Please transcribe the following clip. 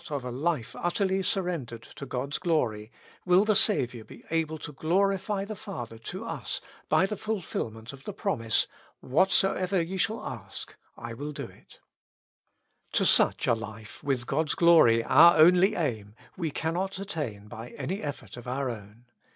of a life utterly surrendered to God's glory, will the Saviour be able to glorify the Father to us by the ful filment of the promise :" Whatsoever ye shall ask, / wi/l do ity To such a life, with God's glory our only aim, we cannot attain by any efifort of our own.